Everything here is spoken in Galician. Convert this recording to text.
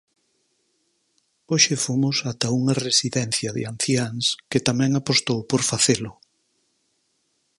Hoxe fomos ata unha residencia de anciáns que tamén apostou por facelo.